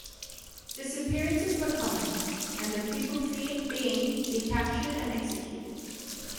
Disappearances were common, and the people feared being be captured and executed.